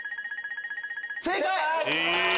正解！